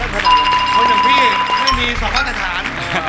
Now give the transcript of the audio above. คนอย่างพี่ไม่มีสองมาตรฐาน